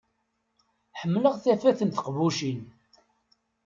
Ḥemmleɣ tafat n teqbucin.